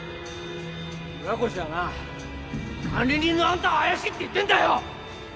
村越はな管理人のあんたを怪しいって言ってんだよ！